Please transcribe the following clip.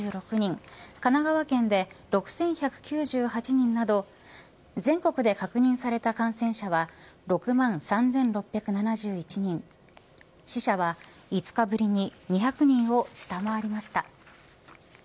神奈川県で６１９８人など全国で確認された感染者は６万３６７１人死者は５日ぶりに２００人を下回りました。